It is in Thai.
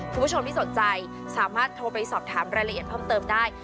คุณผู้ชมที่สนใจสามารถโทรไปสอบถามรายละเอียดเพิ่มเติมได้